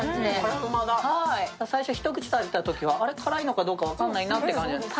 最初、一口食べたときには辛いのかどうか分かんないなって感じなんです。